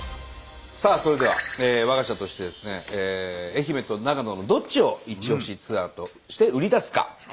さあそれでは我が社としてですね愛媛と長野のどっちをイチオシツアーとして売り出すか。